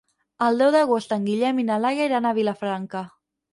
El deu d'agost en Guillem i na Laia iran a Vilafranca.